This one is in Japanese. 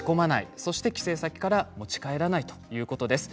そして帰省先から持ち帰らないということです。